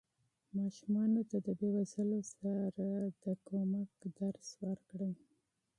ماشومانو ته د غریبانو سره د احسان درس ورکړئ.